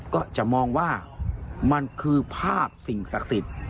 ก็จะมองว่ามันคือภาพสิ่งศักดิ์สิทธิ์